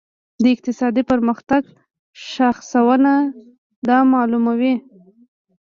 د اقتصادي پرمختګ شاخصونه دا معلوموي.